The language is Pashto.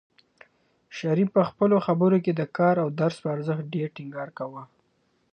شریف په خپلو خبرو کې د کار او درس په ارزښت ډېر ټینګار کاوه.